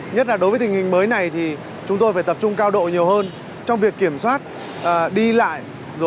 nhất là đối với tình hình mới này thì chúng tôi phải tập trung cao độ nhiều hơn trong việc kiểm soát đi lại